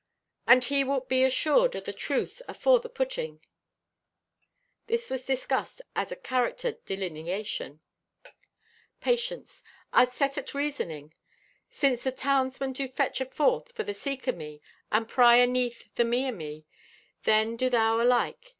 And he wilt be assured o' the truth afore the putting." This was discussed as a character delineation. Patience.—"I'd set at reasoning. Since the townsmen do fetch aforth for the seek o' me, and pry aneath the me o' me, then do thou alike.